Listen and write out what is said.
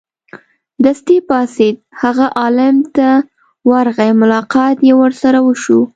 دستې پاڅېد هغه عالم ت ورغی ملاقات یې ورسره وشو.